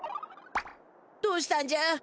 どうしたんじゃ！？